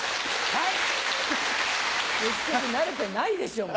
はい！